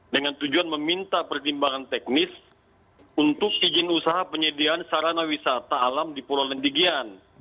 dengan tujuan meminta pertimbangan teknis untuk izin usaha penyediaan sarana wisata alam di pulau lendigian